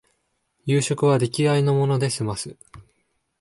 夕食は出来合いのもので済ます